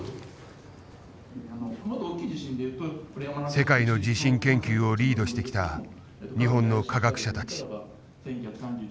世界の地震研究をリードしてきた日本の科学者たち。